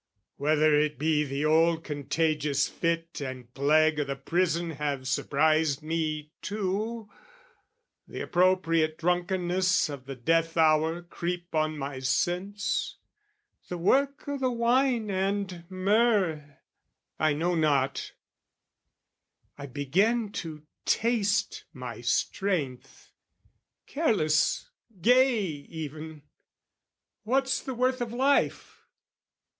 Whether it be the old contagious fit And plague o' the prison have surprised me too, The appropriate drunkenness of the death hour Creep on my sense, the work o' the wine and myrrh, I know not, I begin to taste my strength, Careless, gay even: what's the worth of life?